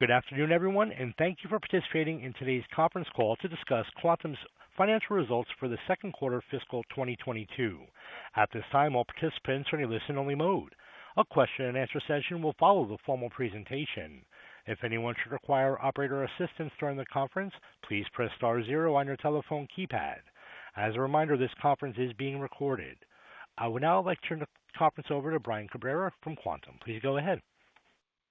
Good afternoon everyone and thank you for participating in today's conference call to discuss Quantum's financial results for the second quarter of fiscal 2022. At this time, all participants are in a listen-only mode. A question-and-answer session will follow the formal presentation. If anyone should require operator assistance during the conference, please press star zero on your telephone keypad. As a reminder, this conference is being recorded. I would now like to turn the conference over to Brian Cabrera from Quantum. Please go ahead.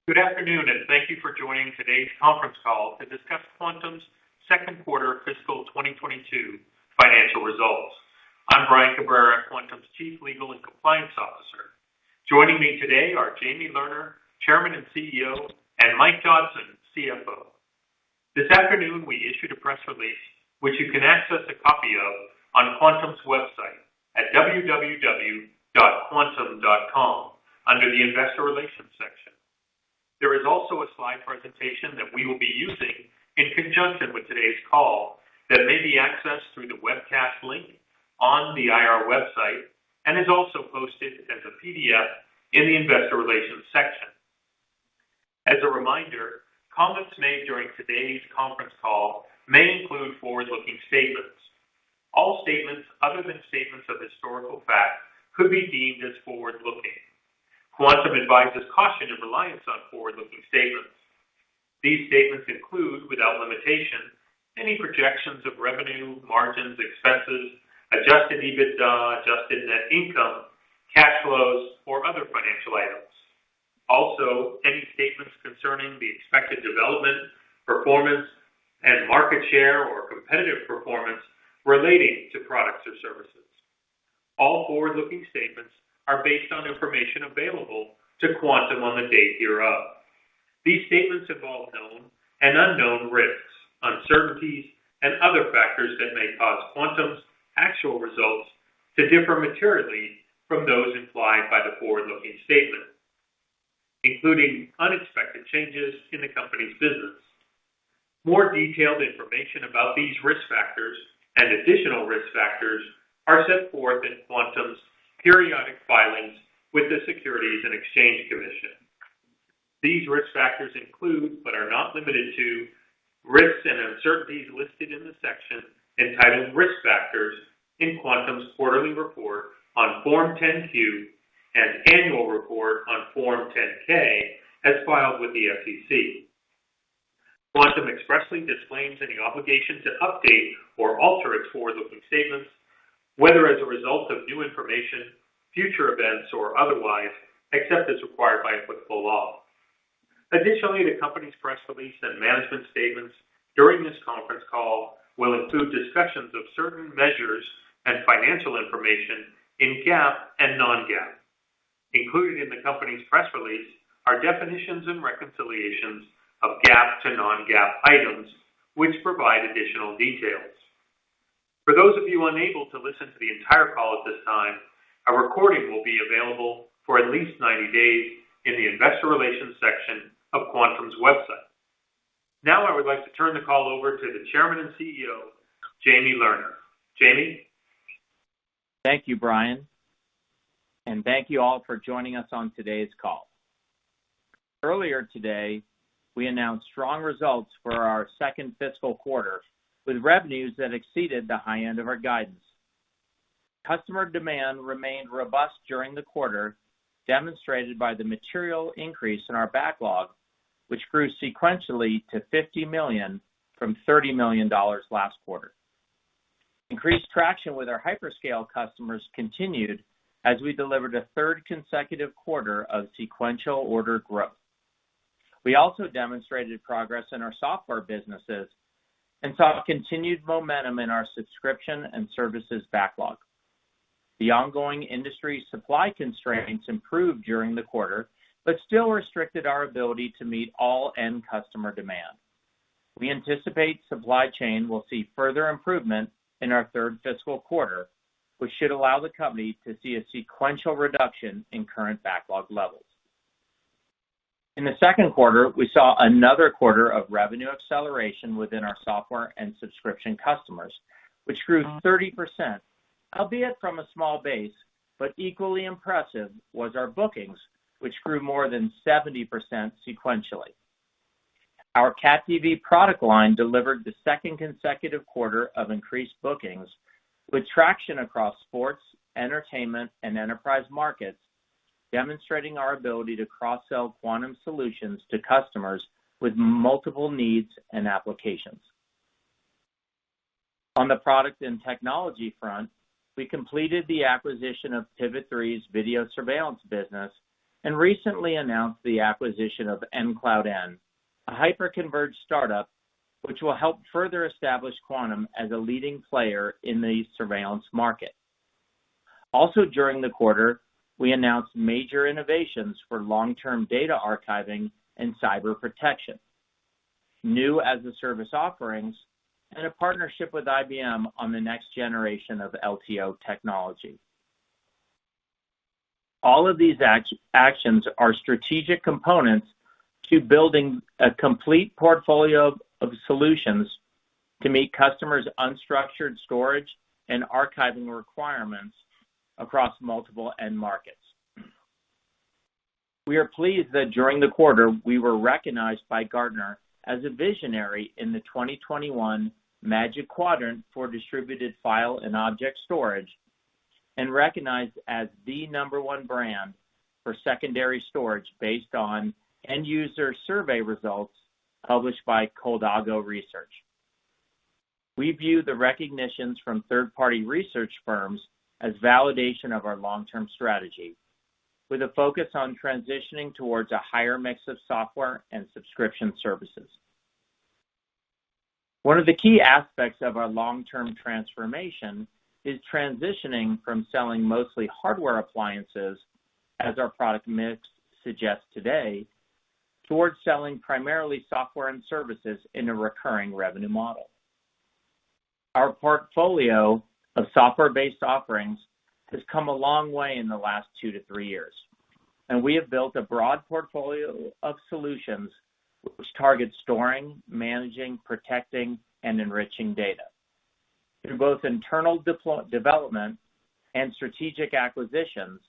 Good afternoon, and thank you for joining today's conference call to discuss Quantum's second quarter fiscal 2022 financial results. I'm Brian Cabrera, Quantum's Chief Legal and Compliance Officer. Joining me today are Jamie Lerner, Chairman and CEO, and Mike Dodson, CFO. This afternoon, we issued a press release which you can access a copy of on Quantum's website at quantum.com under the Investor Relations section. There is also a slide presentation that we will be using in conjunction with today's call that may be accessed through the webcast link on the IR website and is also posted as a PDF in the Investor Relations section. As a reminder, comments made during today's conference call may include forward-looking statements. All statements other than statements of historical fact could be deemed as forward-looking. Quantum advises caution in reliance on forward-looking statements. These statements include, without limitation, any projections of revenue, margins, expenses, adjusted EBITDA, adjusted net income, cash flows, or other financial items. Also, any statements concerning the expected development, performance, and market share or competitive performance relating to products or services. All forward-looking statements are based on information available to Quantum on the date hereof. These statements involve known and unknown risks, uncertainties, and other factors that may cause Quantum's actual results to differ materially from those implied by the forward-looking statement, including unexpected changes in the company's business. More detailed information about these risk factors and additional risk factors are set forth in Quantum's periodic filings with the Securities and Exchange Commission. These risk factors include, but are not limited to, risks and uncertainties listed in the section entitled Risk Factors in Quantum's quarterly report on Form 10-Q and annual report on Form 10-K as filed with the SEC. Quantum expressly disclaims any obligation to update or alter its forward-looking statements, whether as a result of new information, future events, or otherwise, except as required by applicable law. Additionally, the company's press release and management statements during this conference call will include discussions of certain measures and financial information in GAAP and non-GAAP. Included in the company's press release are definitions and reconciliations of GAAP to non-GAAP items, which provide additional details. For those of you unable to listen to the entire call at this time, a recording will be available for at least 90 days in the Investor Relations section of Quantum's website. Now I would like to turn the call over to the Chairman and CEO, Jamie Lerner. Jamie? Thank you, Brian, and thank you all for joining us on today's call. Earlier today, we announced strong results for our second fiscal quarter, with revenues that exceeded the high end of our guidance. Customer demand remained robust during the quarter, demonstrated by the material increase in our backlog, which grew sequentially to $50 million from $30 million last quarter. Increased traction with our hyperscale customers continued as we delivered a third consecutive quarter of sequential order growth. We also demonstrated progress in our software businesses and saw continued momentum in our subscription and services backlog. The ongoing industry supply constraints improved during the quarter, but still restricted our ability to meet all end customer demand. We anticipate supply chain will see further improvement in our third fiscal quarter, which should allow the company to see a sequential reduction in current backlog levels. In the second quarter, we saw another quarter of revenue acceleration within our software and subscription customers, which grew 30%, albeit from a small base, but equally impressive was our bookings, which grew more than 70% sequentially. Our CatDV product line delivered the second consecutive quarter of increased bookings with traction across sports, entertainment, and enterprise markets, demonstrating our ability to cross-sell Quantum solutions to customers with multiple needs and applications. On the product and technology front, we completed the acquisition of Pivot3's video surveillance business and recently announced the acquisition of EnCloudEn, a hyper-converged startup, which will help further establish Quantum as a leading player in the surveillance market. Also, during the quarter, we announced major innovations for long-term data archiving and cyber protection, new as-a-service offerings, and a partnership with IBM on the next generation of LTO technology. All of these actions are strategic components to building a complete portfolio of solutions to meet customers' unstructured storage and archiving requirements across multiple end markets. We are pleased that during the quarter, we were recognized by Gartner as a visionary in the 2021 Magic Quadrant for distributed file and object storage, and recognized as the number one brand for secondary storage based on end-user survey results published by Coldago Research. We view the recognitions from third-party research firms as validation of our long-term strategy, with a focus on transitioning towards a higher mix of software and subscription services. One of the key aspects of our long-term transformation is transitioning from selling mostly hardware appliances, as our product mix suggests today, towards selling primarily software and services in a recurring revenue model. Our portfolio of software-based offerings has come a long way in the last two to three years, and we have built a broad portfolio of solutions which target storing, managing, protecting, and enriching data. Through both internal development and strategic acquisitions,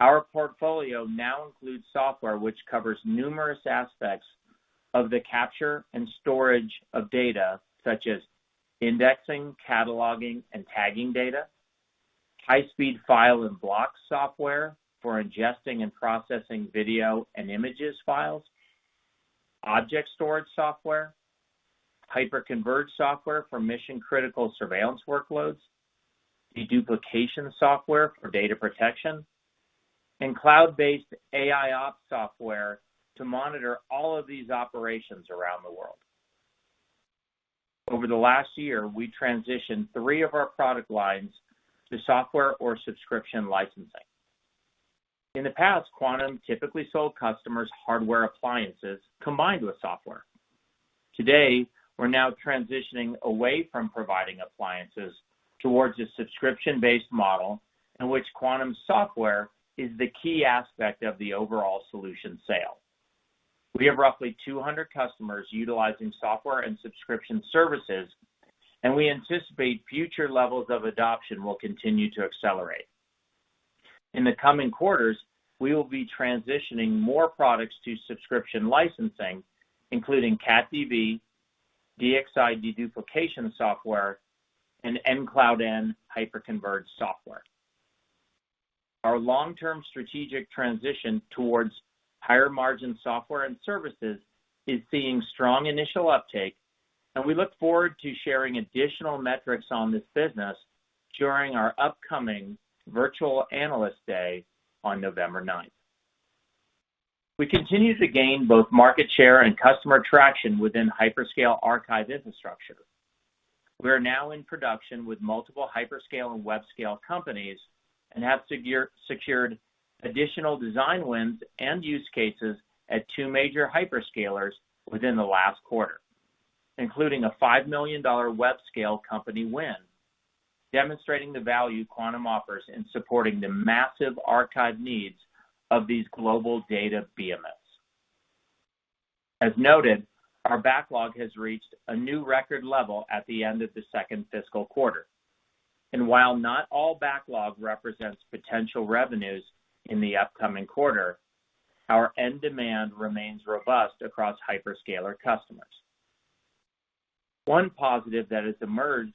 our portfolio now includes software which covers numerous aspects of the capture and storage of data, such as indexing, cataloging, and tagging data, high-speed file and block software for ingesting and processing video and image files, object storage software, hyper-converged software for mission-critical surveillance workloads, deduplication software for data protection, and cloud-based AIOps software to monitor all of these operations around the world. Over the last year, we transitioned three of our product lines to software or subscription licensing. In the past, Quantum typically sold customers hardware appliances combined with software. Today, we're now transitioning away from providing appliances towards a subscription-based model in which Quantum's software is the key aspect of the overall solution sale. We have roughly 200 customers utilizing software and subscription services, and we anticipate future levels of adoption will continue to accelerate. In the coming quarters, we will be transitioning more products to subscription licensing, including CatDV, DXi deduplication software, and EnCloudEn hyper-converged software. Our long-term strategic transition towards higher margin software and services is seeing strong initial uptake, and we look forward to sharing additional metrics on this business during our upcoming virtual Analyst Day on November 9th. We continue to gain both market share and customer traction within hyperscale archive infrastructure. We are now in production with multiple hyperscale and web scale companies, and have secured additional design wins and use cases at two major hyperscalers within the last quarter, including a $5 million web scale company win, demonstrating the value Quantum offers in supporting the massive archive needs of these global data behemoths. As noted, our backlog has reached a new record level at the end of the second fiscal quarter. While not all backlog represents potential revenues in the upcoming quarter, our end demand remains robust across hyperscaler customers. One positive that has emerged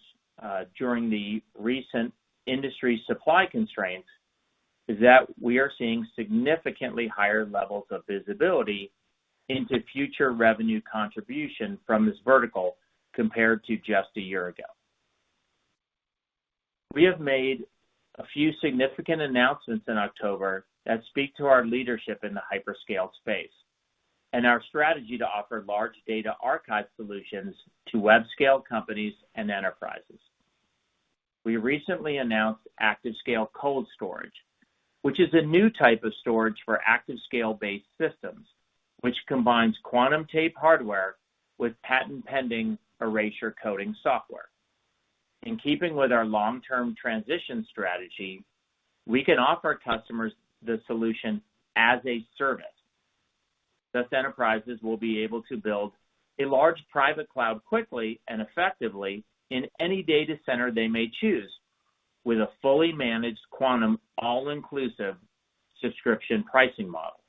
during the recent industry supply constraints is that we are seeing significantly higher levels of visibility into future revenue contribution from this vertical compared to just a year ago. We have made a few significant announcements in October that speak to our leadership in the hyperscale space and our strategy to offer large data archive solutions to web scale companies and enterprises. We recently announced ActiveScale Cold Storage, which is a new type of storage for ActiveScale-based systems, which combines Quantum tape hardware with patent-pending erasure coding software. In keeping with our long-term transition strategy, we can offer customers the solution as a service. Thus, enterprises will be able to build a large private cloud quickly and effectively in any data center they may choose with a fully managed Quantum all-inclusive subscription pricing model.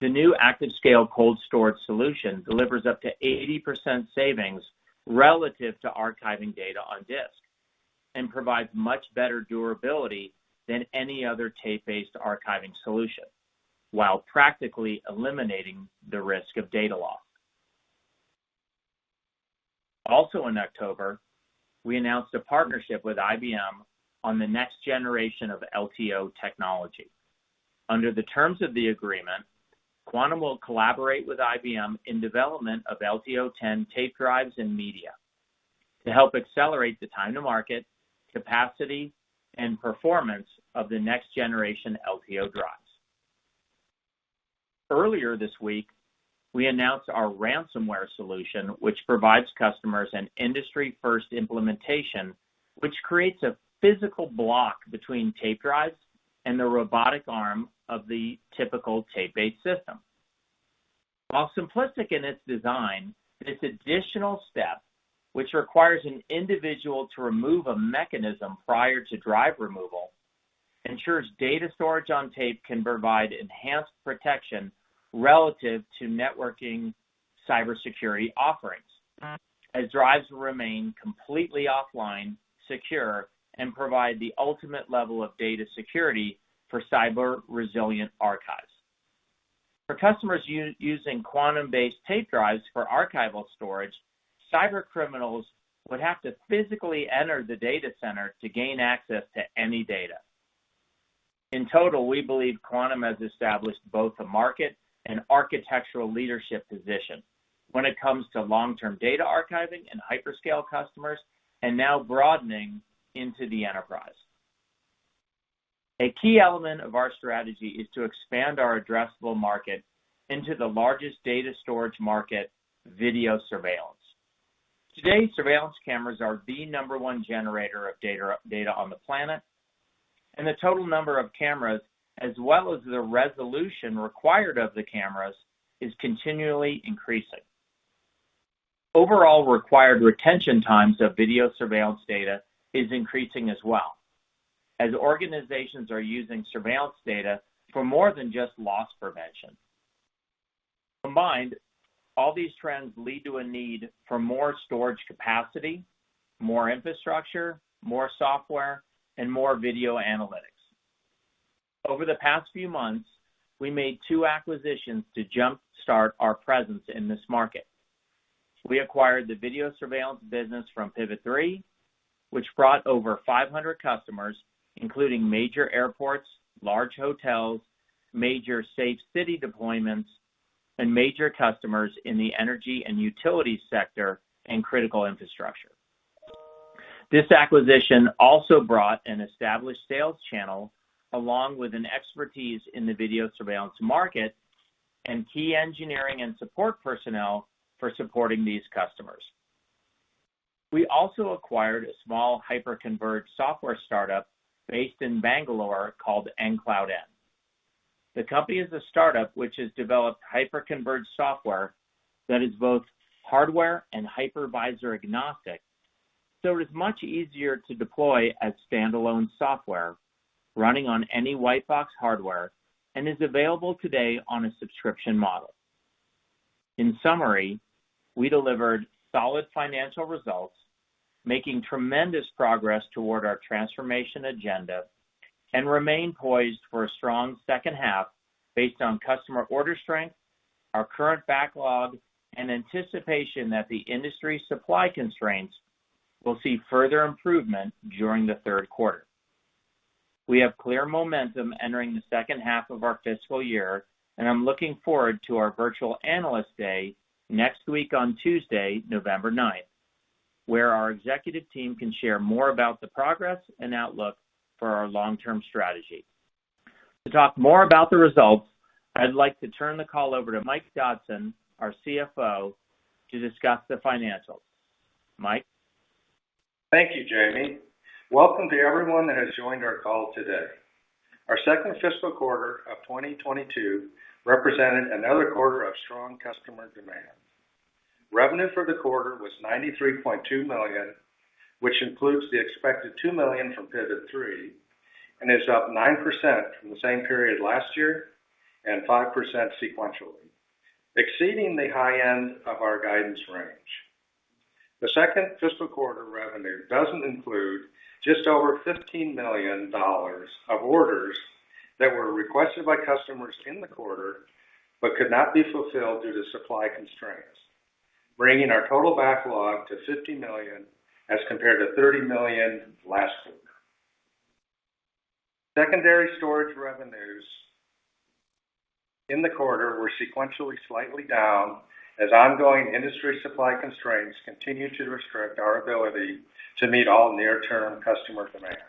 The new ActiveScale Cold Storage solution delivers up to 80% savings relative to archiving data on disk and provides much better durability than any other tape-based archiving solution while practically eliminating the risk of data loss. Also in October, we announced a partnership with IBM on the next generation of LTO technology. Under the terms of the agreement, Quantum will collaborate with IBM in development of LTO-10 tape drives and media to help accelerate the time to market, capacity, and performance of the next generation LTO drives. Earlier this week, we announced our ransomware solution, which provides customers an industry-first implementation, which creates a physical block between tape drives and the robotic arm of the typical tape-based system. While simplistic in its design, this additional step, which requires an individual to remove a mechanism prior to drive removal, ensures data storage on tape can provide enhanced protection relative to networking cybersecurity offerings, as drives remain completely offline, secure, and provide the ultimate level of data security for cyber resilient archives. For customers using Quantum-based tape drives for archival storage, cyber criminals would have to physically enter the data center to gain access to any data. In total, we believe Quantum has established both a market and architectural leadership position when it comes to long-term data archiving and hyperscale customers, and now broadening into the enterprise. A key element of our strategy is to expand our addressable market into the largest data storage market, video surveillance. Today, surveillance cameras are the number one generator of data on the planet, and the total number of cameras, as well as the resolution required of the cameras, is continually increasing. Overall required retention times of video surveillance data is increasing as well, as organizations are using surveillance data for more than just loss prevention. Combined, all these trends lead to a need for more storage capacity, more infrastructure, more software, and more video analytics. Over the past few months, we made two acquisitions to jump-start our presence in this market. We acquired the video surveillance business from Pivot3, which brought over 500 customers, including major airports, large hotels, major safe city deployments, and major customers in the energy and utility sector and critical infrastructure. This acquisition also brought an established sales channel, along with an expertise in the video surveillance market and key engineering and support personnel for supporting these customers. We also acquired a small hyper-converged software startup based in Bangalore called EnCloudEn. The company is a startup which has developed hyperconverged software that is both hardware and hypervisor agnostic, so it is much easier to deploy as standalone software running on any white box hardware and is available today on a subscription model. In summary, we delivered solid financial results, making tremendous progress toward our transformation agenda, and remain poised for a strong second half based on customer order strength, our current backlog, and anticipation that the industry supply constraints will see further improvement during the third quarter. We have clear momentum entering the second half of our fiscal year, and I'm looking forward to our virtual Analyst Day next week on Tuesday, November 9th, where our executive team can share more about the progress and outlook for our long-term strategy. To talk more about the results, I'd like to turn the call over to Mike Dodson, our CFO, to discuss the financials. Mike? Thank you, Jamie. Welcome to everyone that has joined our call today. Our second fiscal quarter of 2022 represented another quarter of strong customer demand. Revenue for the quarter was $93.2 million, which includes the expected $2 million from Pivot3 and is up 9% from the same period last year and 5% sequentially, exceeding the high end of our guidance range. The second fiscal quarter revenue doesn't include just over $15 million of orders that were requested by customers in the quarter, but could not be fulfilled due to supply constraints, bringing our total backlog to $50 million as compared to $30 million last quarter. Secondary storage revenues in the quarter were sequentially slightly down, as ongoing industry supply constraints continued to restrict our ability to meet all near-term customer demand.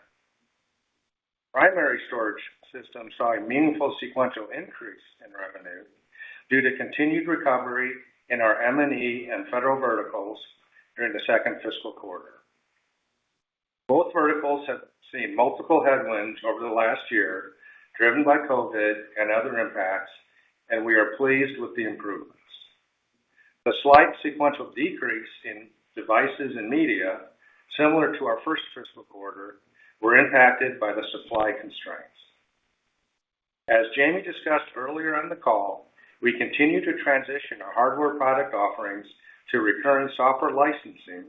Primary storage systems saw a meaningful sequential increase in revenue due to continued recovery in our M&E and federal verticals during the second fiscal quarter. Both verticals have seen multiple headwinds over the last year, driven by COVID and other impacts, and we are pleased with the improvements. The slight sequential decrease in devices and media, similar to our first fiscal quarter, were impacted by the supply constraints. As Jamie discussed earlier in the call, we continue to transition our hardware product offerings to recurring software licensing,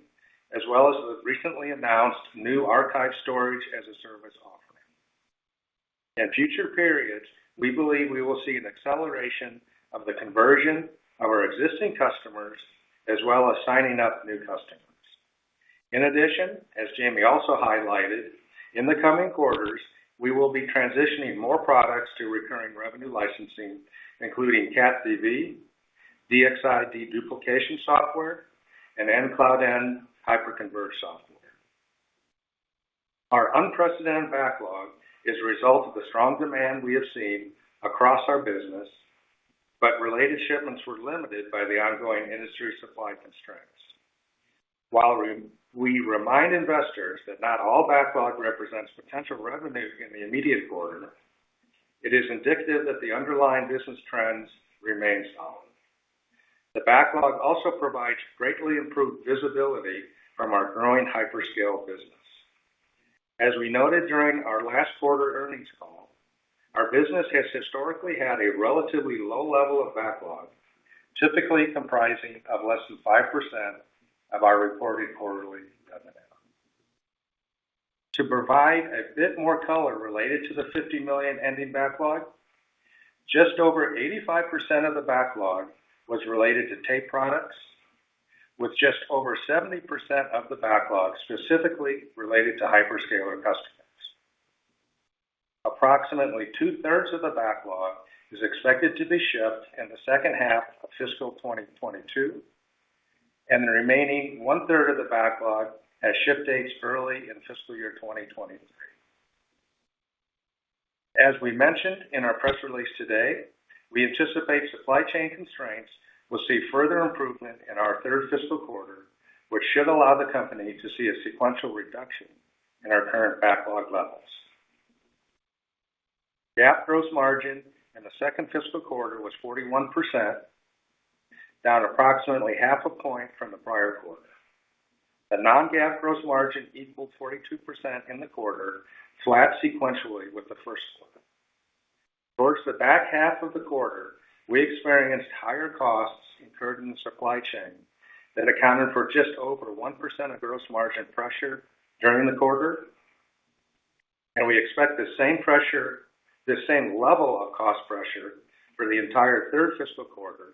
as well as the recently announced new archive storage as a service offering. In future periods, we believe we will see an acceleration of the conversion of our existing customers, as well as signing up new customers. In addition, as Jamie also highlighted, in the coming quarters, we will be transitioning more products to recurring revenue licensing, including CatDV, DXi deduplication software, and EnCloudEn hyperconverged software. Our unprecedented backlog is a result of the strong demand we have seen across our business, but related shipments were limited by the ongoing industry supply constraints. While we remind investors that not all backlog represents potential revenue in the immediate quarter, it is indicative that the underlying business trends remain solid. The backlog also provides greatly improved visibility from our growing hyperscale business. As we noted during our last quarter earnings call, our business has historically had a relatively low level of backlog, typically comprising of less than 5% of our reported quarterly revenue. To provide a bit more color related to the $50 million ending backlog, just over 85% of the backlog was related to tape products, with just over 70% of the backlog specifically related to hyperscaler customers. Approximately 2/3 of the backlog is expected to be shipped in the second half of fiscal 2022, and the remaining of 1/3 of the backlog has ship dates early in fiscal year 2023. As we mentioned in our press release today, we anticipate supply chain constraints will see further improvement in our third fiscal quarter, which should allow the company to see a sequential reduction in our current backlog levels. GAAP gross margin in the second fiscal quarter was 41%, down approximately a half a point from the prior quarter. The non-GAAP gross margin equaled 42% in the quarter, flat sequentially with the first quarter. Towards the back half of the quarter, we experienced higher costs incurred in the supply chain that accounted for just over 1% of gross margin pressure during the quarter. We expect the same pressure, the same level of cost pressure for the entire third fiscal quarter,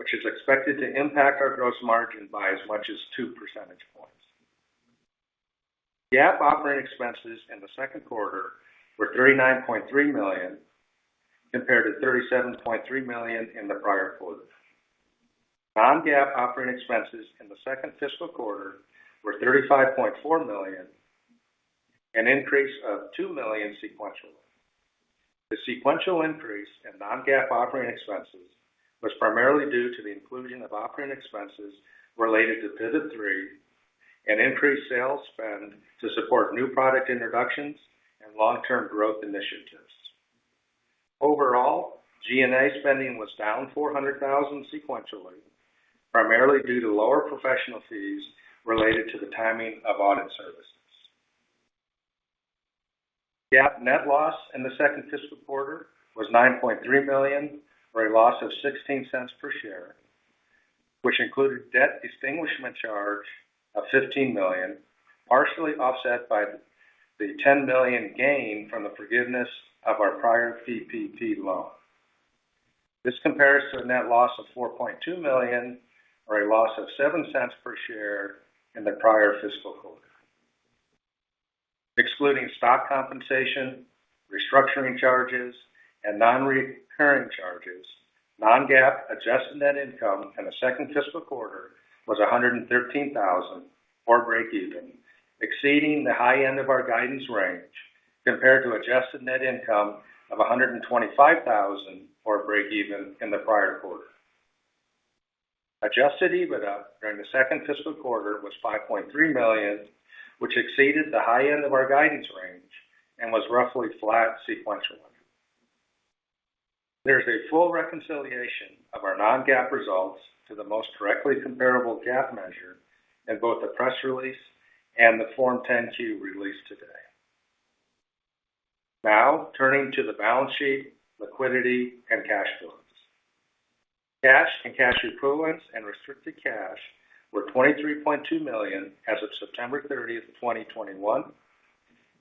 which is expected to impact our gross margin by as much as 2 percentage points. GAAP operating expenses in the second quarter were $39.3 million, compared to $37.3 million in the prior quarter. Non-GAAP operating expenses in the second fiscal quarter were $35.4 million, an increase of $2 million sequentially. The sequential increase in non-GAAP operating expenses was primarily due to the inclusion of operating expenses related to Pivot3 and improved sales spend to support new product introductions and long-term growth initiatives. Overall, G&A spending was down $400,000 sequentially, primarily due to lower professional fees related to the timing of audit services. GAAP net loss in the second fiscal quarter was $9.3 million, or a loss of $0.16 per share, which included debt extinguishment charge of $15 million, partially offset by the $10 million gain from the forgiveness of our prior PPP loan. This compares to a net loss of $4.2 million, or a loss of $0.07 per share in the prior fiscal quarter. Excluding stock compensation, restructuring charges, and nonrecurring charges, non-GAAP adjusted net income in the second fiscal quarter was $113,000 or breakeven, exceeding the high end of our guidance range compared to adjusted net income of $125,000 or a breakeven in the prior quarter. Adjusted EBITDA during the second fiscal quarter was $5.3 million, which exceeded the high end of our guidance range and was roughly flat sequentially. There's a full reconciliation of our non-GAAP results to the most directly comparable GAAP measure in both the press release and the Form 10-Q released today. Now, turning to the balance sheet, liquidity, and cash flows. Cash and cash equivalents and restricted cash were $23.2 million as of September 30th, 2021,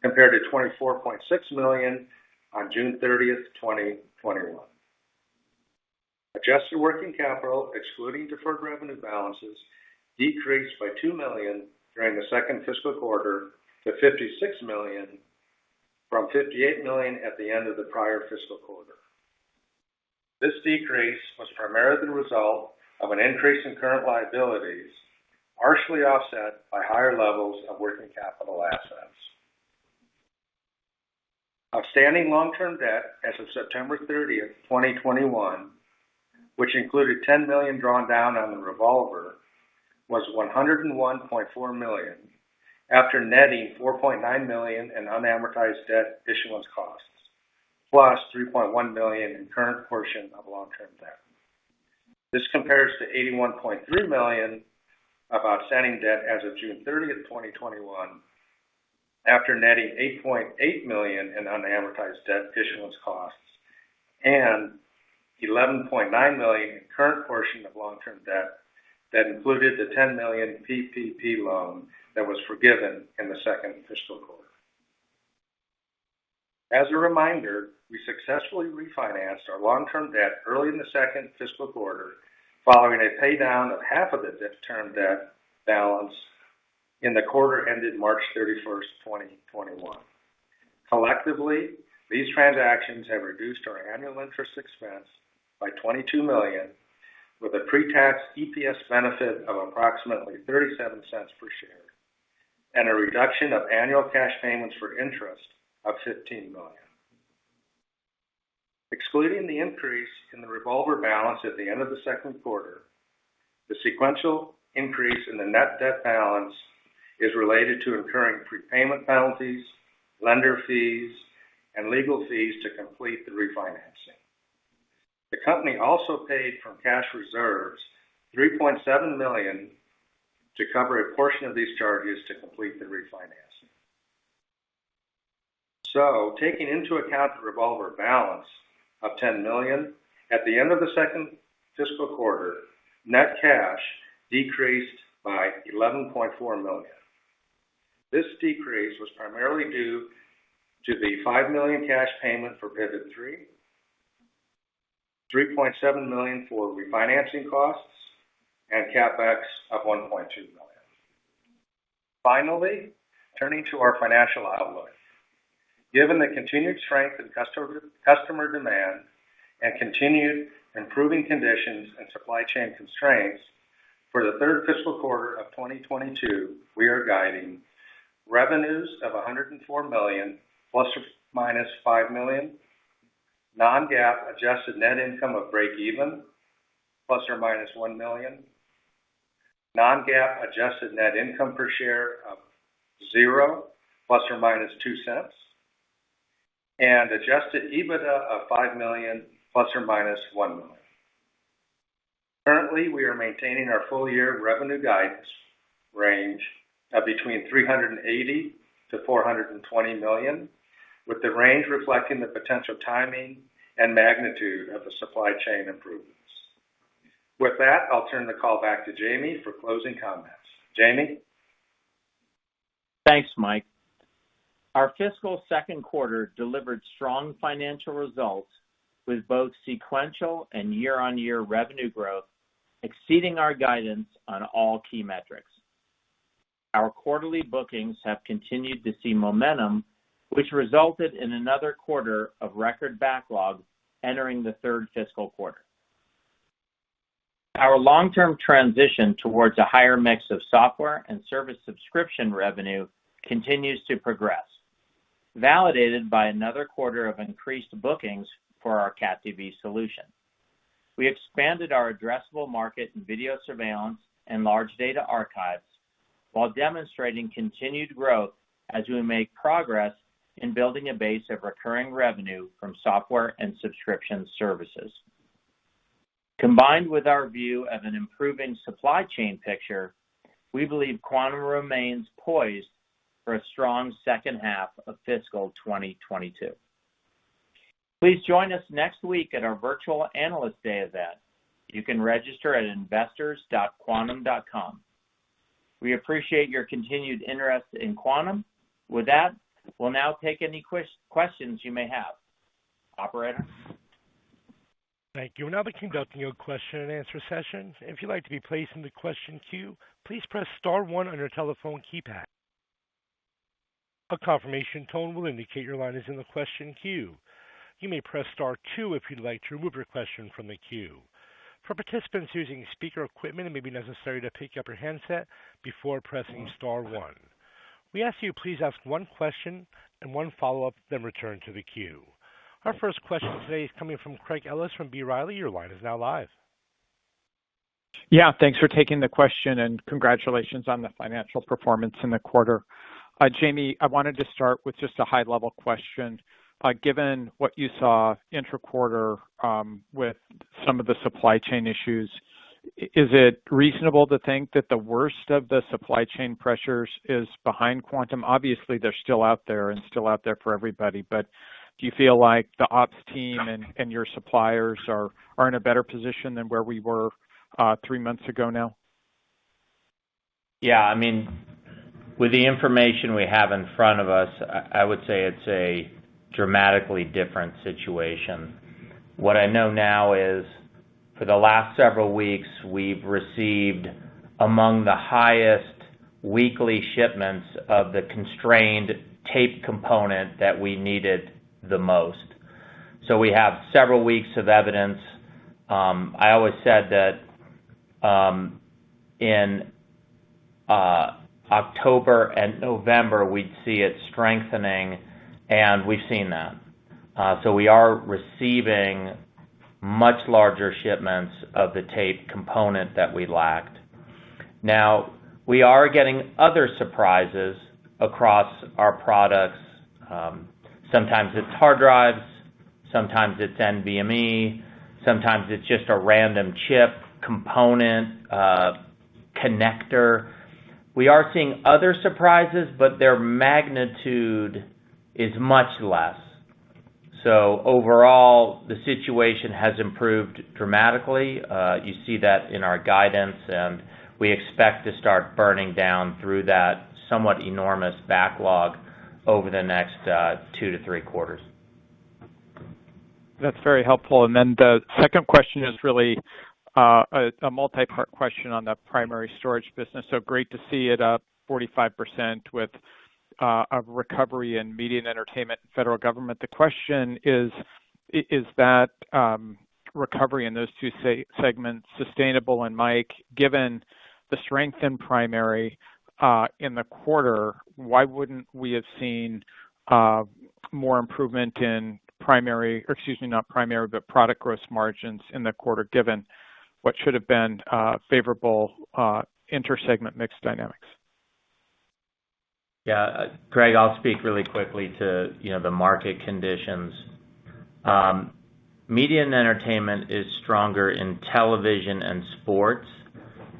compared to $24.6 million on June 30th, 2021. Adjusted working capital, excluding deferred revenue balances, decreased by $2 million during the second fiscal quarter to $56 million from $58 million at the end of the prior fiscal quarter. This decrease was primarily the result of an increase in current liabilities, partially offset by higher levels of working capital assets. Outstanding long-term debt as of September 30, 2021, which included $10 million drawn down on the revolver, was $101.4 million after netting $4.9 million in unamortized debt issuance costs, plus $3.1 million in current portion of long-term debt. This compares to $81.3 million of outstanding debt as of June 30th, 2021, after netting $8.8 million in unamortized debt issuance costs and $11.9 million in current portion of long-term debt that included the $10 million PPP loan that was forgiven in the second fiscal quarter. As a reminder, we successfully refinanced our long-term debt early in the second fiscal quarter, following a pay down of half of the term debt balance in the quarter ended March 31st, 2021. Collectively, these transactions have reduced our annual interest expense by $22 million, with a pre-tax EPS benefit of approximately $0.37 per share, and a reduction of annual cash payments for interest of $15 million. Excluding the increase in the revolver balance at the end of the second quarter, the sequential increase in the net debt balance is related to incurring prepayment penalties, lender fees, and legal fees to complete the refinancing. The company also paid from cash reserves $3.7 million to cover a portion of these charges to complete the refinancing. Taking into account the revolver balance of $10 million at the end of the second fiscal quarter, net cash decreased by $11.4 million. This decrease was primarily due to the $5 million cash payment for Pivot3, $3.7 million for refinancing costs, and CapEx of $1.2 million. Finally, turning to our financial outlook. Given the continued strength in customer demand and continued improving conditions and supply chain constraints, for the third fiscal quarter of 2022, we are guiding revenues of $104 million $±5 million, non-GAAP adjusted net income of breakeven $±1 million, non-GAAP adjusted net income per share of $0 $±0.02, and adjusted EBITDA of $5 million, $±1 million. Currently, we are maintaining our full-year revenue guidance range of between $380 million-$420 million, with the range reflecting the potential timing and magnitude of the supply chain improvements. With that, I'll turn the call back to Jamie for closing comments. Jamie? Thanks, Mike. Our fiscal second quarter delivered strong financial results with both sequential and year-on-year revenue growth exceeding our guidance on all key metrics. Our quarterly bookings have continued to see momentum, which resulted in another quarter of record backlog entering the third fiscal quarter. Our long-term transition towards a higher mix of software and service subscription revenue continues to progress, validated by another quarter of increased bookings for our CatDV solution. We expanded our addressable market in video surveillance and large data archives while demonstrating continued growth as we make progress in building a base of recurring revenue from software and subscription services. Combined with our view of an improving supply chain picture, we believe Quantum remains poised for a strong second half of fiscal 2022. Please join us next week at our virtual Analyst Day event. You can register at investors.quantum.com. We appreciate your continued interest in Quantum. With that, we'll now take any questions you may have. Operator? Thank you. We'll now be conducting your question-and-answer session. If you'd like to be placed into question queue, please press star one on your telephone keypad. A confirmation tone will indicate your line is in the question queue. You may press star two if you'd like to remove your question from the queue. For participants using speaker equipment, it may be necessary to pick up your handset before pressing star one. We ask you please ask one question and one follow-up, then return to the queue. Our first question today is coming from Craig Ellis from B. Riley. Your line is now live. Yeah, thanks for taking the question and congratulations on the financial performance in the quarter. Jamie, I wanted to start with just a high-level question. Given what you saw intra-quarter, with some of the supply chain issues, is it reasonable to think that the worst of the supply chain pressures is behind Quantum? Obviously, they're still out there for everybody. Do you feel like the ops team and your suppliers are in a better position than where we were three months ago now? Yeah. I mean, with the information we have in front of us, I would say it's a dramatically different situation. What I know now is for the last several weeks, we've received among the highest weekly shipments of the constrained tape component that we needed the most. We have several weeks of evidence. I always said that in October and November, we'd see it strengthening, and we've seen that. We are receiving much larger shipments of the tape component that we lacked. Now, we are getting other surprises across our products. Sometimes it's hard drives, sometimes it's NVMe, sometimes it's just a random chip component, connector. We are seeing other surprises, but their magnitude is much less. Overall, the situation has improved dramatically. You see that in our guidance, and we expect to start burning down through that somewhat enormous backlog over the next two to three quarters. That's very helpful. Then the second question is really a multi-part question on the primary storage business. Great to see it up 45% with a recovery in media and entertainment and federal government. The question is that recovery in those two segments sustainable? Mike, given the strength in primary in the quarter, why wouldn't we have seen more improvement in primary or excuse me, not primary, but product gross margins in the quarter given what should have been favorable inter-segment mix dynamics? Yeah, Craig, I'll speak really quickly to, you know, the market conditions. Media and entertainment is stronger in television and sports,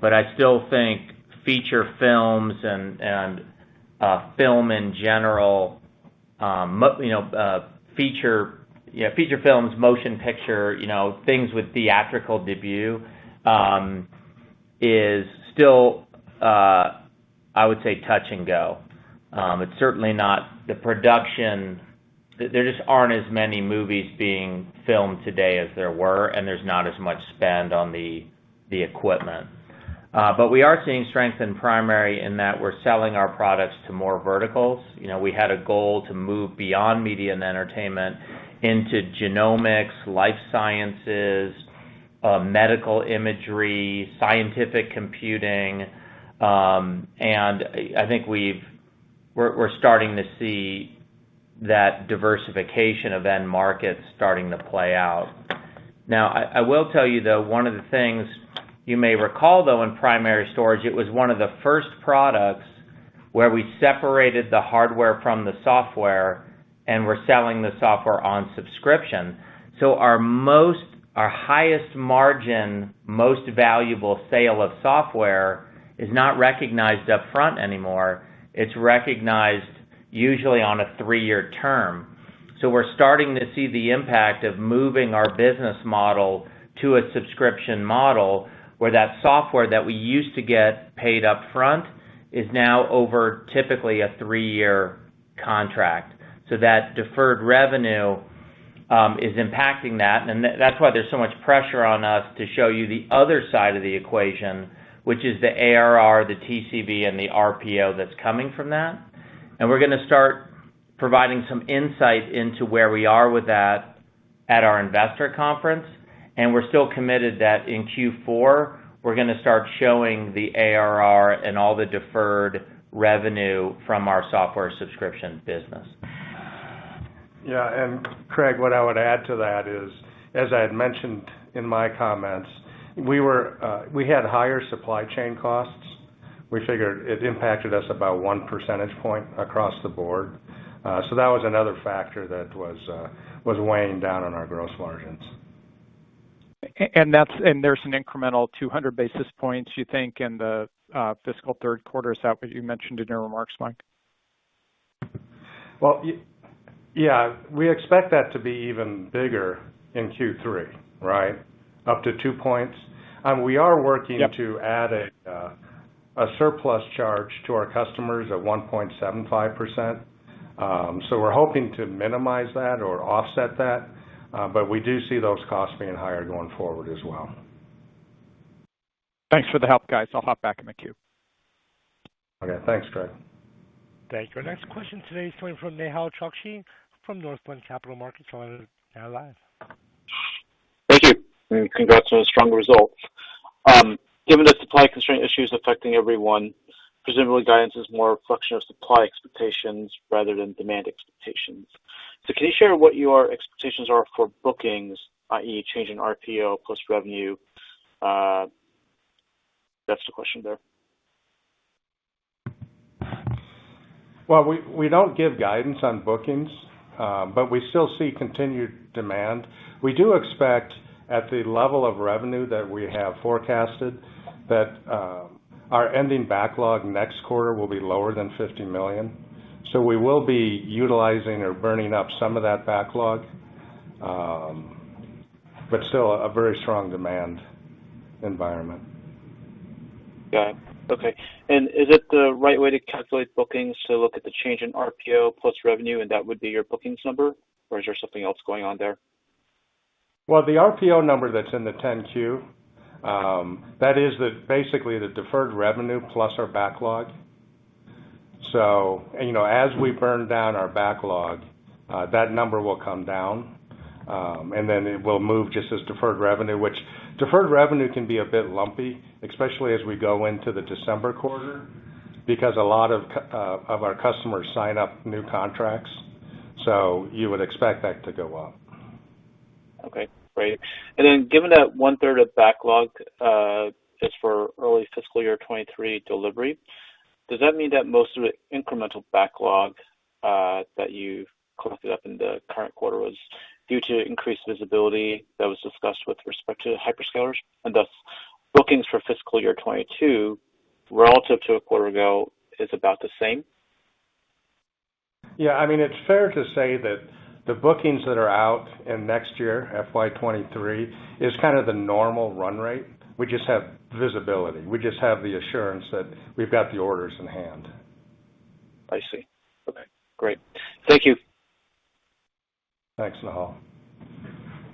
but I still think feature films and film in general, you know, feature films, motion picture, you know, things with theatrical debut, is still, I would say touch and go. It's certainly not the production. There just aren't as many movies being filmed today as there were, and there's not as much spend on the equipment. But we are seeing strength primarily in that we're selling our products to more verticals. You know, we had a goal to move beyond media and entertainment into genomics, life sciences, medical imagery, scientific computing, and I think we're starting to see that diversification of end markets starting to play out. Now, I will tell you, though, one of the things you may recall, though, in primary storage, it was one of the first products where we separated the hardware from the software, and we're selling the software on subscription. Our highest margin, most valuable sale of software is not recognized upfront anymore. It's recognized usually on a three-year term. We're starting to see the impact of moving our business model to a subscription model, where that software that we used to get paid up front is now over typically a three-year contract, so that deferred revenue is impacting that. That's why there's so much pressure on us to show you the other side of the equation, which is the ARR, the TCV, and the RPO that's coming from that. We're gonna start providing some insight into where we are with that at our investor conference. We're still committed that in Q4, we're gonna start showing the ARR and all the deferred revenue from our software subscription business. Yeah. Craig, what I would add to that is, as I had mentioned in my comments, we had higher supply chain costs. We figured it impacted us about one percentage point across the board. That was another factor that was weighing down on our gross margins. There's an incremental 200 basis points you think in the fiscal third quarter. Is that what you mentioned in your remarks, Mike? Well, yeah, we expect that to be even bigger in Q3, right? Up to 2 points. We are working- Yep, to add a surplus charge to our customers at 1.75%. We're hoping to minimize that or offset that but we do see those costs being higher going forward as well. Thanks for the help, guys. I'll hop back in the queue. Okay. Thanks, Craig. Thank you. Our next question today is coming from Nehal Chokshi from Northland Capital Markets. Your line is now live. Thank you, and congrats on the strong results. Given the supply constraint issues affecting everyone, presumably guidance is more a reflection of supply expectations rather than demand expectations. Can you share what your expectations are for bookings, i.e., change in RPO plus revenue? That's the question there. Well, we don't give guidance on bookings, but we still see continued demand. We do expect, at the level of revenue that we have forecasted, that our ending backlog next quarter will be lower than $50 million. We will be utilizing or burning up some of that backlog but still on a very strong demand environment. Got it. Okay. Is it the right way to calculate bookings to look at the change in RPO plus revenue, and that would be your bookings number, or is there something else going on there? Well, the RPO number that's in the 10-Q, that is basically the deferred revenue plus our backlog. You know, as we burn down our backlog, that number will come down, and then it will move just as deferred revenue, which deferred revenue can be a bit lumpy, especially as we go into the December quarter, because a lot of our customers sign up new contracts. You would expect that to go up. Okay, great. Given that 1/3 of backlog is for early fiscal year 2023 delivery, does that mean that most of the incremental backlog that you've collected up in the current quarter was due to increased visibility that was discussed with respect to hyperscalers, and thus bookings for fiscal year 2022 relative to a quarter ago is about the same? Yeah. I mean, it's fair to say that the bookings that are out in next year, FY 2023, is kind of the normal run rate. We just have visibility. We just have the assurance that we've got the orders in hand. I see. Okay, great. Thank you. Thanks, Nehal.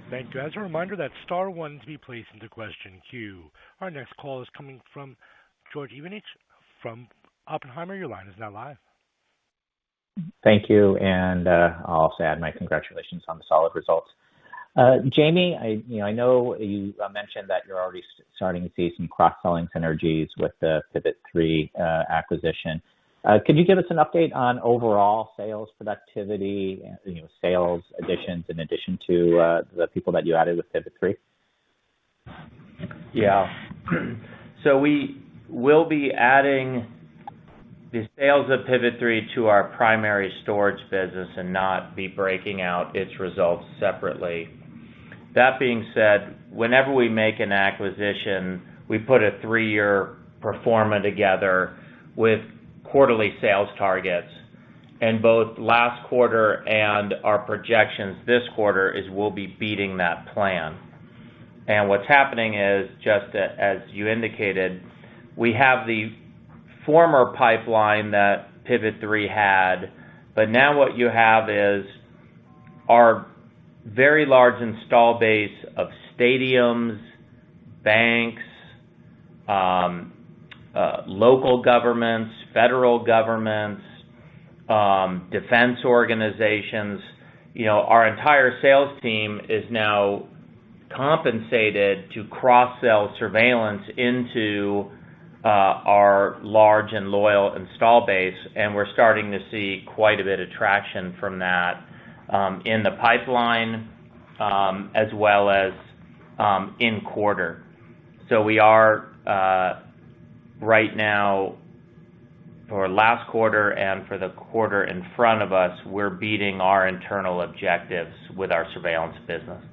Thank you. As a reminder, that's star one to be placed into question queue. Our next call is coming from George Iwanyc from Oppenheimer. Your line is now live. Thank you, and, I'll also add my congratulations on the solid results. Jamie, I know you mentioned that you're already starting to see some cross-selling synergies with the Pivot3 acquisition. Could you give us an update on overall sales productivity, sales additions in addition to the people that you added with Pivot3? Yeah. We will be adding the sales of Pivot3 to our primary storage business and not be breaking out its results separately. That being said, whenever we make an acquisition, we put a three-year pro forma together with quarterly sales targets. Both last quarter and our projections this quarter is we'll be beating that plan. What's happening is, just as you indicated, we have the former pipeline that Pivot3 had, but now what you have is our very large install base of stadiums, banks, local governments, federal governments, defense organizations. You know, our entire sales team is now compensated to cross-sell surveillance into our large and loyal install base, and we're starting to see quite a bit of traction from that in the pipeline as well as in quarter. We are right now, for last quarter and for the quarter in front of us, we're beating our internal objectives with our surveillance business.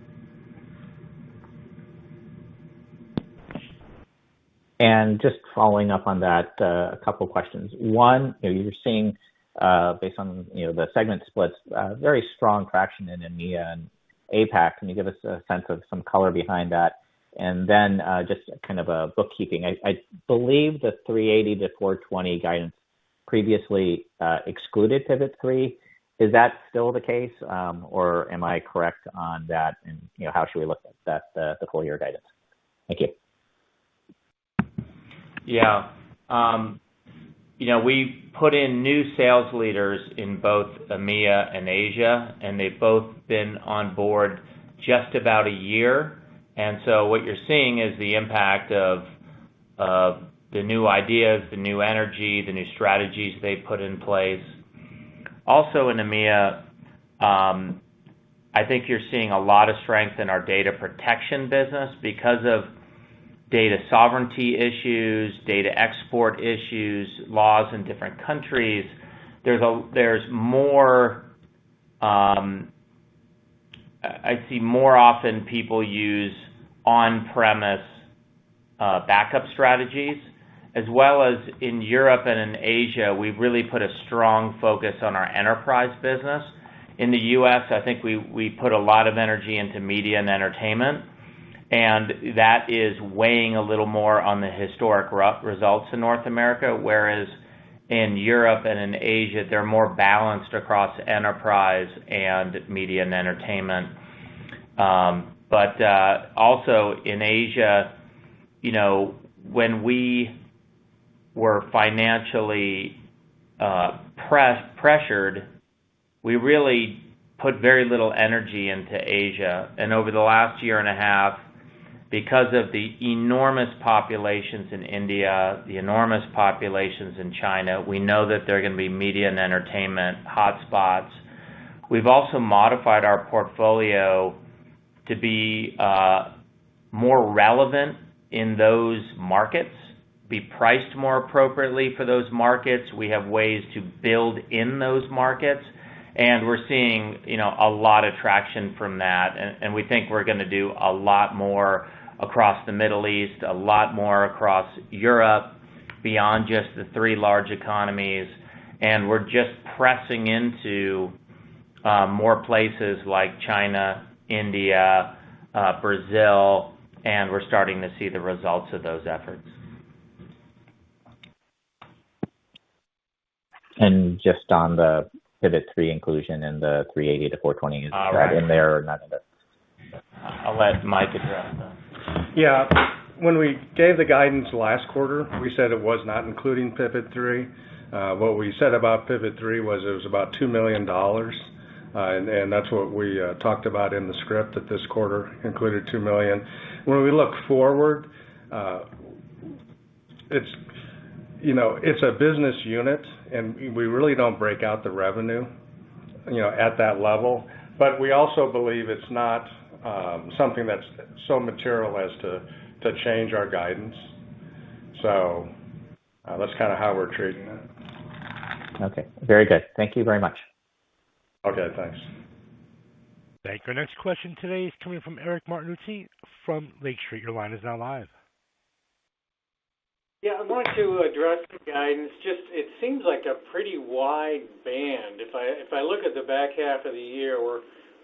Just following up on that, a couple questions. One, you know, you were seeing, based on, you know, the segment splits, very strong traction in EMEA and APAC. Can you give us a sense of some color behind that? Just kind of a bookkeeping. I believe the $380-$420 guidance previously excluded Pivot3. Is that still the case, or am I correct on that? You know, how should we look at that, the full year guidance? Thank you. Yeah. You know, we put in new sales leaders in both EMEA and Asia, and they've both been on board just about a year. What you're seeing is the impact of the new ideas, the new energy, the new strategies they put in place. Also in EMEA, I think you're seeing a lot of strength in our data protection business because of data sovereignty issues, data export issues, laws in different countries. There's more. I see more often people use on-premise backup strategies, as well as in Europe and in Asia, we've really put a strong focus on our enterprise business. In the U.S., I think we put a lot of energy into media and entertainment, and that is weighing a little more on the historical results in North America, whereas in Europe and in Asia, they're more balanced across enterprise and media and entertainment. Also in Asia, you know, when we were financially pressured, we really put very little energy into Asia. Over the last year and a half, because of the enormous populations in India, the enormous populations in China, we know that they're gonna be media and entertainment hotspots. We've also modified our portfolio to be more relevant in those markets, be priced more appropriately for those markets. We have ways to build in those markets, and we're seeing, you know, a lot of traction from that. We think we're gonna do a lot more across the Middle East, a lot more across Europe, beyond just the three large economies. We're just pressing into more places like China, India, Brazil, and we're starting to see the results of those efforts. Just on the Pivot3 inclusion in the $380-$420 guidance in EMEA and that's it. All right. Is that in there or none of it? I'll let Mike address that. Yeah. When we gave the guidance last quarter, we said it was not including Pivot3. What we said about Pivot3 was it was about $2 million, and that's what we talked about in the script that this quarter included $2 million. When we look forward, it's a business unit, and we really don't break out the revenue at that level. But we also believe it's not something that's so material as to change our guidance. That's kinda how we're treating it. Okay, very good. Thank you very much. Okay, thanks. Thank you. Our next question today is coming from Eric Martinuzzi from Lake Street. Your line is now live. Yeah, I'd like to address the guidance. Just, it seems like a pretty wide band. If I look at the back half of the year,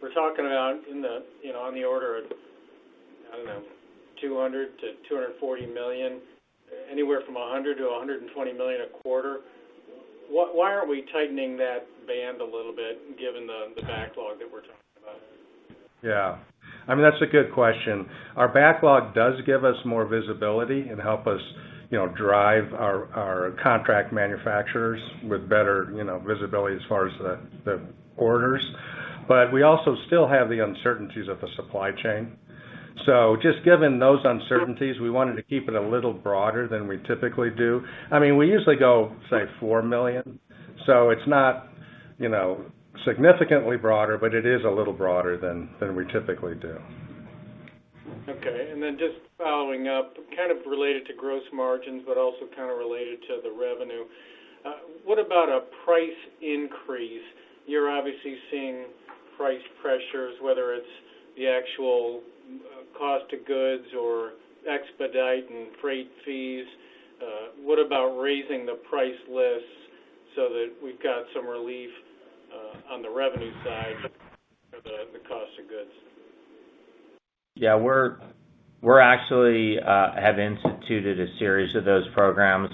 we're talking about in the, you know, on the order of, I don't know, $200 million-$240 million, anywhere from $100 million-$120 million a quarter. Why aren't we tightening that band a little bit given the backlog that we're talking about? Yeah, I mean, that's a good question. Our backlog does give us more visibility and help us, you know, drive our contract manufacturers with better, you know, visibility as far as the orders. We also still have the uncertainties of the supply chain. Just given those uncertainties, we wanted to keep it a little broader than we typically do. I mean, we usually go, say, $4 million. It's not, you know, significantly broader, but it is a little broader than we typically do. Okay. Just following up, kind of related to gross margins, but also kind of related to the revenue, what about a price increase? You're obviously seeing price pressures, whether it's the actual cost of goods or expedite and freight fees. What about raising the price lists so that we've got some relief on the revenue side for the cost of goods? Yeah. We're actually have instituted a series of those programs.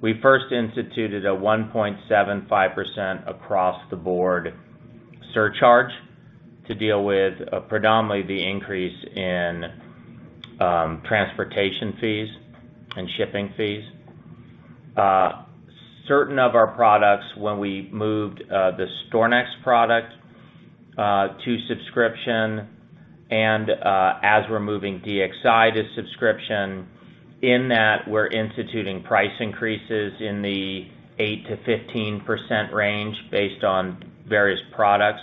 We first instituted a 1.75% across the board surcharge to deal with predominantly the increase in transportation fees and shipping fees. Certain of our products when we moved the StorNext product to subscription and as we're moving DXi to subscription, in that, we're instituting price increases in the 8%-15% range based on various products.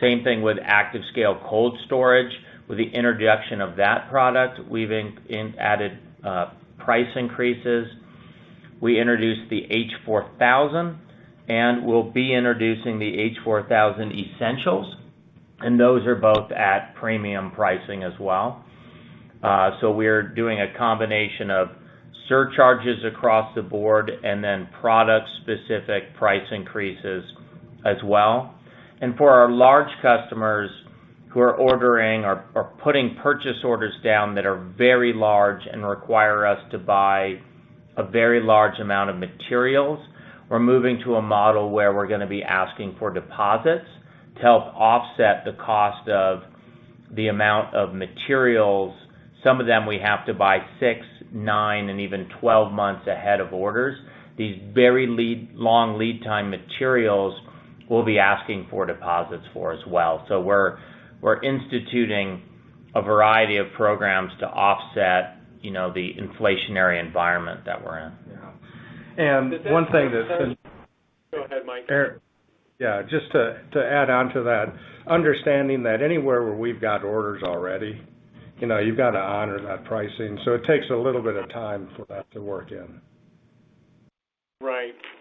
Same thing with ActiveScale Cold Storage. With the introduction of that product, we've added price increases. We introduced the H4000, and we'll be introducing the H4000 Essential, and those are both at premium pricing as well. We're doing a combination of surcharges across the board and then product-specific price increases as well. For our large customers who are ordering or putting purchase orders down that are very large and require us to buy a very large amount of materials, we're moving to a model where we're gonna be asking for deposits to help offset the cost of the amount of materials. Some of them we have to buy six, nine, and even 12 months ahead of orders. These very long lead time materials, we'll be asking for deposits for as well. We're instituting a variety of programs to offset, you know, the inflationary environment that we're in. Yeah. One thing that's been- Go ahead, Mike. ...Yeah. Just to add on to that, understanding that anywhere where we've got orders already, you know, you've got to honor that pricing, so it takes a little bit of time for that to work in.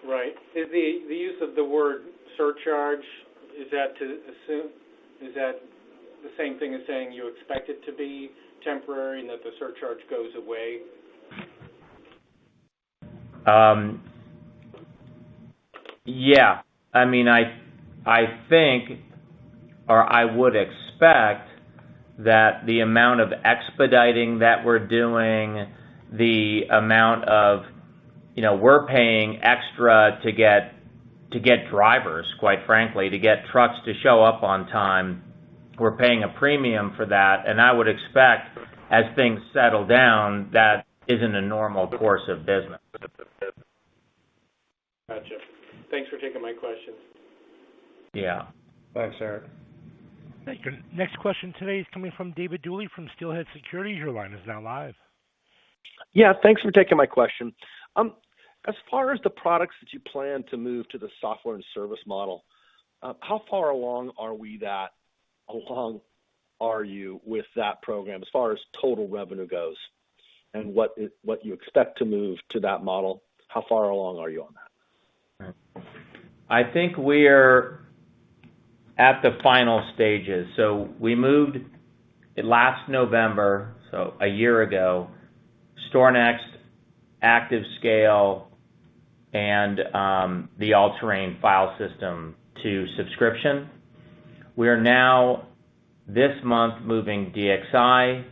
Right. Is the use of the word surcharge, is that to assume? Is that the same thing as saying you expect it to be temporary and that the surcharge goes away? Yeah. I mean, I think or I would expect that the amount of expediting that we're doing, you know, we're paying extra to get drivers, quite frankly, to get trucks to show up on time. We're paying a premium for that, and I would expect as things settle down, that isn't a normal course of business. Gotcha. Thanks for taking my questions. Yeah. Thanks, Eric. Thank you. Next question today is coming from David Duley from Steelhead Securities. Your line is now live. Yeah, thanks for taking my question. As far as the products that you plan to move to the software and service model, how far along are you with that program as far as total revenue goes, and what you expect to move to that model? How far along are you on that? I think we're at the final stages. We moved last November, so a year ago, StorNext, ActiveScale, and the All-Terrain File System to subscription. We are now this month moving DXi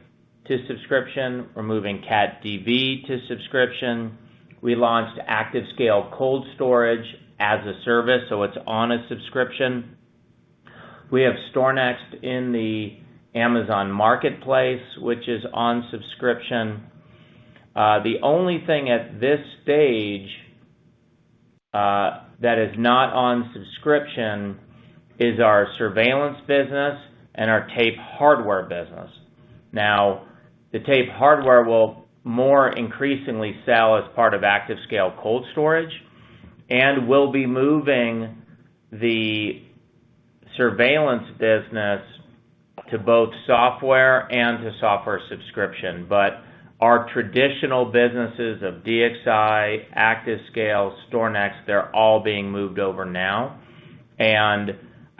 to subscription. We're moving CatDV to subscription. We launched ActiveScale Cold Storage as a service, so it's on a subscription. We have StorNext in the AWS Marketplace, which is on subscription. The only thing at this stage that is not on subscription is our surveillance business and our tape hardware business. Now, the tape hardware will more increasingly sell as part of ActiveScale Cold Storage, and we'll be moving the surveillance business to both software and to software subscription. Our traditional businesses of DXi, ActiveScale, StorNext, they're all being moved over now.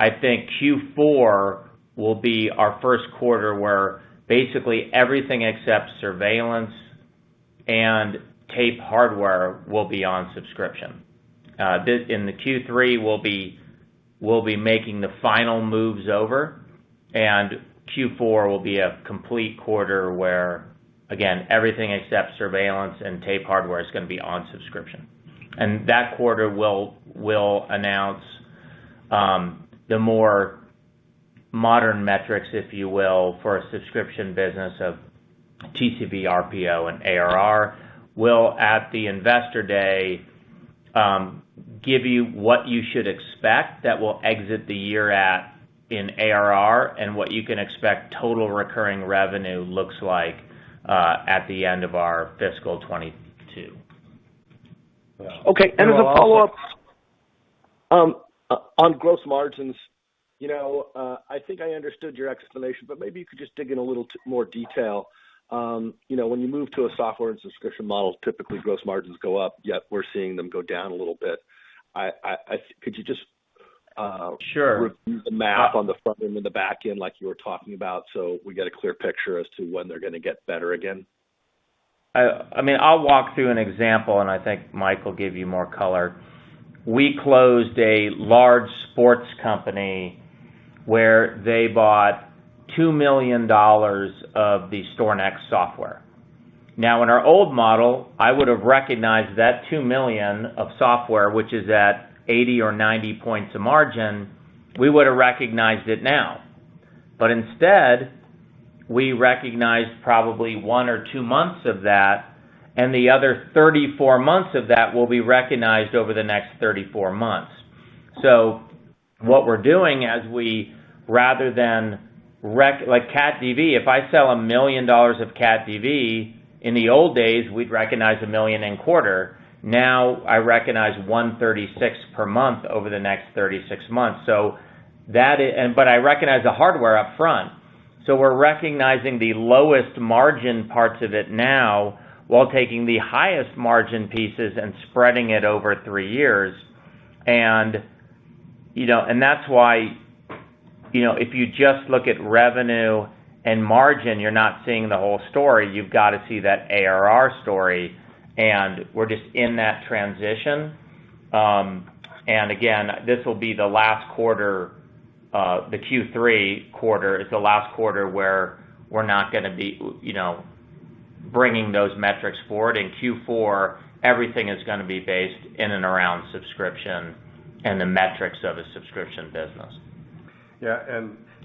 I think Q4 will be our first quarter where basically everything except surveillance and tape hardware will be on subscription. In the Q3, we'll be making the final moves over, and Q4 will be a complete quarter where, again, everything except surveillance and tape hardware is gonna be on subscription. That quarter will announce the more modern metrics, if you will, for a subscription business of TCV, RPO, and ARR. We'll at the Investor Day give you what you should expect that we'll exit the year at in ARR and what you can expect total recurring revenue looks like at the end of our fiscal 2022. Okay. As a follow-up, on gross margins, you know, I think I understood your explanation, but maybe you could just dig in a little more detail. You know, when you move to a software and subscription model, typically gross margins go up, yet we're seeing them go down a little bit. Could you just- Sure. ..Review the math on the front end and the back end like you were talking about, so we get a clear picture as to when they're gonna get better again? I mean, I'll walk through an example, and I think Mike will give you more color. We closed a large sports company where they bought $2 million of the StorNext software. Now, in our old model, I would have recognized that $2 million of software, which is at 80 or 90 points of margin; we would have recognized it now. Instead, we recognized probably one or two months of that, and the other 34 months of that will be recognized over the next 34 months. What we're doing is rather than recognize like CatDV, if I sell $1 million of CatDV, in the old days, we'd recognize $1 million in quarter. Now, I recognize 1/36 per month over the next 36 months. I recognize the hardware up front. We're recognizing the lowest margin parts of it now while taking the highest margin pieces and spreading it over three years. You know, that's why, you know, if you just look at revenue and margin, you're not seeing the whole story. You've got to see that ARR story, and we're just in that transition. Again, this will be the last quarter, the Q3 quarter is the last quarter where we're not gonna be, you know, bringing those metrics forward. In Q4, everything is gonna be based in and around subscription and the metrics of a subscription business. Yeah.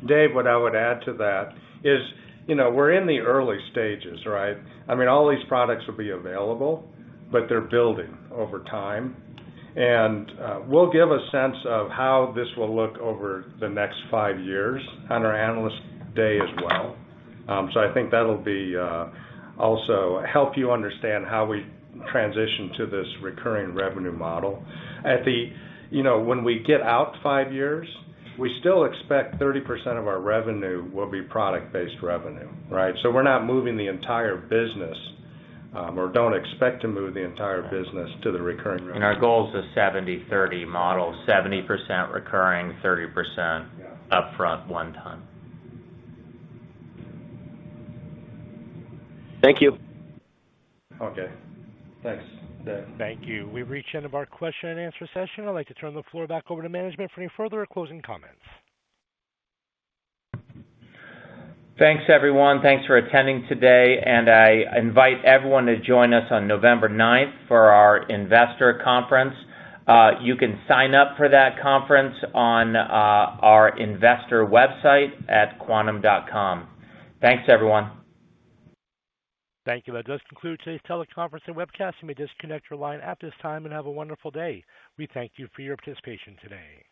Dave, what I would add to that is, you know, we're in the early stages, right? I mean, all these products will be available, but they're building over time. We'll give a sense of how this will look over the next five years on our Analyst Day as well. I think that'll also help you understand how we transition to this recurring revenue model. You know, when we get out five years, we still expect 30% of our revenue will be product-based revenue, right? We're not moving the entire business, or don't expect to move the entire business to the recurring revenue. Our goal is a 70/30 model. 70% recurring, 30%- Yeah. ...upfront one time. Thank you. Okay. Thanks, David. Thank you. We've reached the end of our question-and-answer session. I'd like to turn the floor back over to management for any further closing comments. Thanks, everyone. Thanks for attending today. I invite everyone to join us on November 9th for our investor conference. You can sign up for that conference on our investor website at quantum.com. Thanks, everyone. Thank you. That does conclude today's teleconference and webcast. You may disconnect your line at this time, and have a wonderful day. We thank you for your participation today.